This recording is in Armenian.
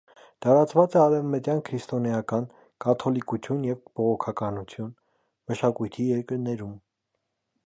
Տարածված է արևմտյան քրիստոնեական (կաթոլիկություն և բողոքականություն) մշակույթի երկրներում։